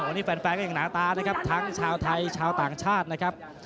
วันนี้แฟนก็ยังหนาตานะครับทั้งชาวไทยชาวต่างชาตินะครับ